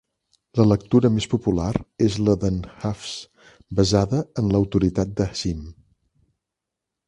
La lectura més popular és la de"n Hafs basada en l"autoritat d'asim.